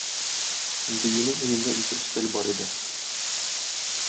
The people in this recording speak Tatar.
Диюнең өендә ике өстәл бар иде.